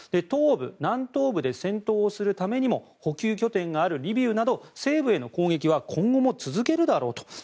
東部、南東部で戦闘をするためにも補給拠点があるリビウなど西部への攻撃は今後も続けるだろうと。